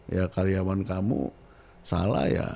ya karyawan kamu salah ya